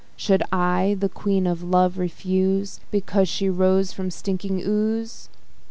Should I the Queen of Love refuse, Because she rose from stinking ooze?